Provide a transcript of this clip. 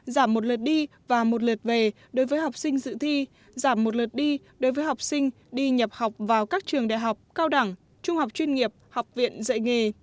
giảm một lượt đi và một lượt về đối với học sinh dự thi giảm một lượt đi đối với học sinh đi nhập học vào các trường đại học cao đẳng trung học chuyên nghiệp học viện dạy nghề